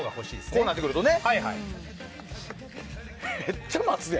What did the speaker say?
こうなってくるとね。